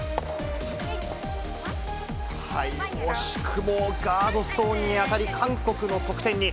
惜しくもガードストーンに当たり、韓国の得点に。